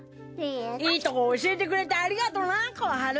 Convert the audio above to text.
いいとこ教えてくれてありがとなコハル！